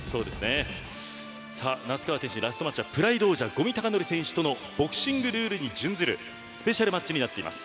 那須川天心ラストマッチはＰＲＩＤＥ王者五味隆典選手とのボクシングルールに準ずるスペシャルマッチになっています。